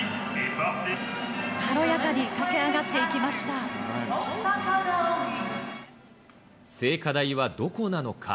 軽やかに駆け上がっていきま聖火台はどこなのか。